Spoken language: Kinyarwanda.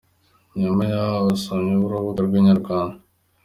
Nyuma yaho abasomyi burubuga rwa Inyarwanda.